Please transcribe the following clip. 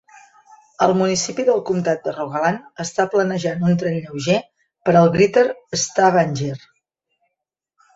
El municipi del comtat de Rogaland està planejant un tren lleuger per al Greater Stavanger.